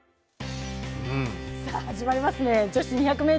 始まりますね、女子２００ｍ。